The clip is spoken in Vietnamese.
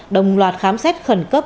đồng loạt khám xét khẩn cấp